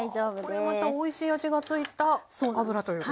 あこれまたおいしい味がついた油ということですか？